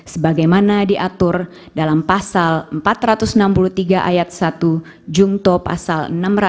sebagaimana diatur dalam pasal empat ratus enam puluh tiga ayat satu jungto pasal enam ratus